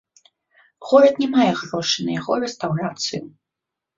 Горад не мае грошай на яго рэстаўрацыю.